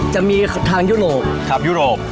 จะมีทางยุโรปครับยุโรป